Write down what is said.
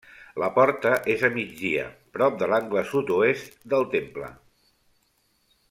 La porta és a migdia, prop de l'angle sud-oest del temple.